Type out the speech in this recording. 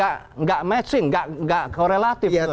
tidak matching tidak korelatif